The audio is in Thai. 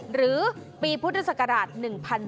หรือปีพุทธศักราช๑๔